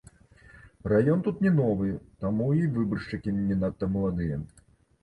Раён тут не новы, таму і выбаршчыкі не надта маладыя.